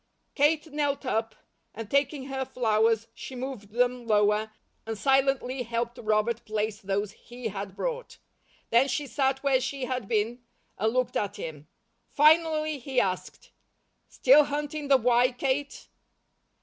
Kate knelt up and taking her flowers, she moved them lower, and silently helped Robert place those he had brought. Then she sat where she had been, and looked at him. Finally he asked: "Still hunting the 'why,' Kate?"